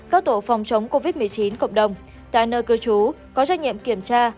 các tổ phòng chống covid một mươi chín cộng đồng tại nơi cư trú có trách nhiệm kiểm tra